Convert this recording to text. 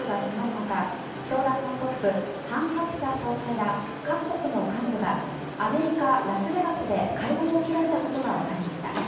中教団のトップハン・ハクチャ総裁ら各国の幹部がアメリカ・ラスベガスで会合を開いたことがわかりました。